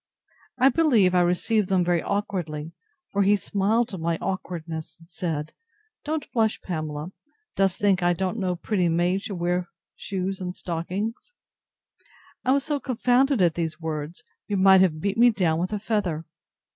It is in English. I believe I received them very awkwardly; for he smiled at my awkwardness, and said, Don't blush, Pamela: Dost think I don't know pretty maids should wear shoes and stockings? I was so confounded at these words, you might have beat me down with a feather.